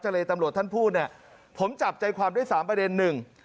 เจ้าเรย์ตำรวจท่านพูดผมจับใจความด้วย๓ประเด็นนึง